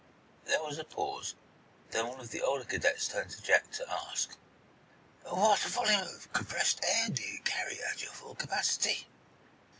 There was a pause, then one of the older cadets turned to Jack to ask: "What volume of compressed air do you carry at your full capacity?"